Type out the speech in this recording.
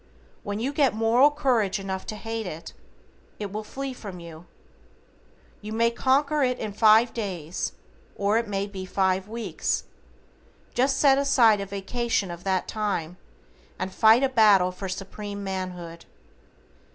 When you get moral courage enough to hate it, it will flee from you. You may conquer in five days, or it may be five weeks. Just set aside a vacation of that time, and fight a battle for Supreme manhood.